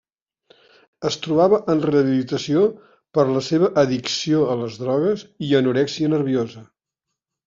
Es trobava en rehabilitació per la seva addicció a les drogues i anorèxia nerviosa.